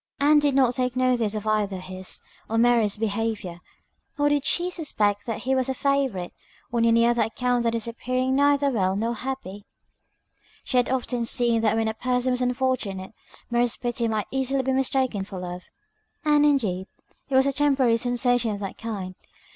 Ann did not take notice of either his or Mary's behaviour, nor did she suspect that he was a favourite, on any other account than his appearing neither well nor happy. She had often seen that when a person was unfortunate, Mary's pity might easily be mistaken for love, and, indeed, it was a temporary sensation of that kind.